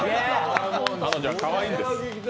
彼女はかわいいんです。